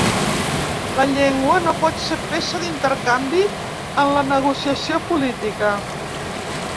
La llengua no pot ser peça d’intercanvi en la negociació política.